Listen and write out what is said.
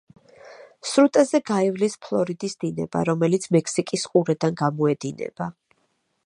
სრუტეზე გაივლის ფლორიდის დინება, რომელიც მექსიკის ყურედან გამოედინება.